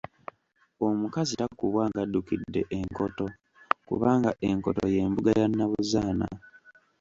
Omukazi takubwa ng'addukidde enkoto kubanga enkoto ye mbuga ya Nnabuzaana.